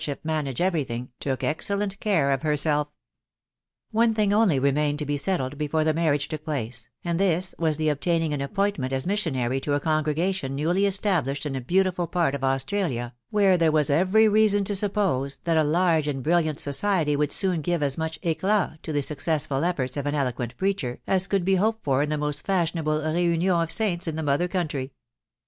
atrip manage every thing, took excellent case of herself. One thing only now remained to be settled before the mar riage took place, and this was the obtaining An Appointment as inissionary to a congregation newly established in a beautiful part of Australia, where there was every reason to suppose that a large and brilhaat society would soon give as much tclat to the successful efibrts of an eloquent preacher as could be hoped for in the anost fashionable reunion of aainta in the tmother cowntry.